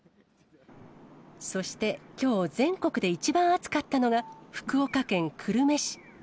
そして、きょう全国で一番暑かったのが福岡県久留米市。